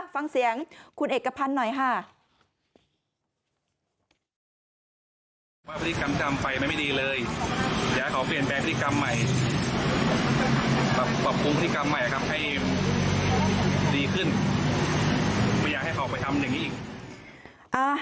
ฟังเสียงคุณเอกพันธ์หน่อยค่ะ